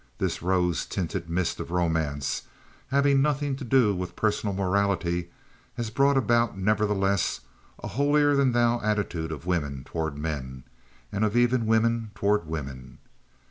This rose tinted mist of romance, having nothing to do with personal morality, has brought about, nevertheless, a holier than thou attitude of women toward men, and even of women toward women.